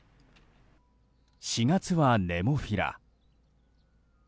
４月はネモフィラ。